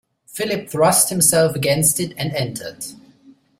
Philip thrust himself against it and entered.